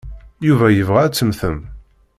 Yuba yebɣa ad temmtem.